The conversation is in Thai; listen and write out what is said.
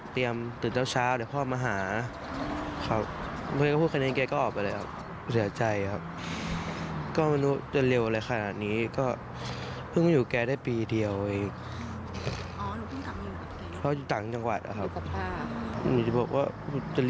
กลยรู้สึกว่าเขาเป็นแดกสำหรับอาหาร